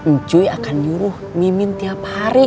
encuy akan nyuruh mimin tiap hari